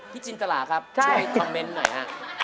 พี่จินตระครับช่วยคอมเมนต์หน่อยครับใช่